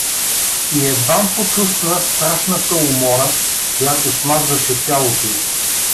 И едвам почувствува страшната умора, която смазваше тялото й.